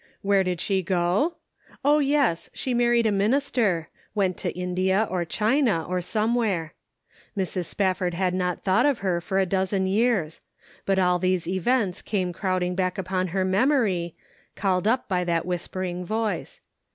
Where did she go ? Oh, yes ; she married a minister ; went to India, or China, or some where. Mrs. Spafford had not thought of her for a dozen years; but all these events came crowding back upon her memory, called up by that whispering voice.